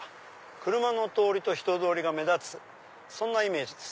車の通りと人通りが目立つそんなイメージです。